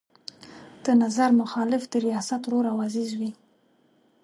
د نظر مخالف د ریاست ورور او عزیز وي.